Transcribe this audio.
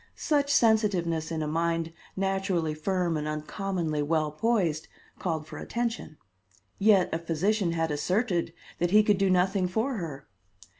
Such sensitiveness in a mind naturally firm and uncommonly well poised, called for attention. Yet a physician had asserted that he could do nothing for her.